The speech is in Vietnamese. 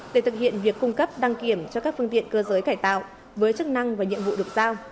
để thực hiện việc cung cấp đăng kiểm cho các phương tiện cơ giới cải tạo với chức năng và nhiệm vụ được giao